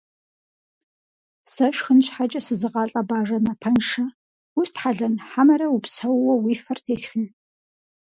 Сэ шхын щхьэкӀэ сызыгъалӀэ Бажэ напэншэ, устхьэлэн хьэмэрэ упсэууэ уи фэр тесхын?!